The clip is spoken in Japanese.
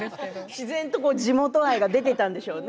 自然と地元愛が出ていたんでしょうね。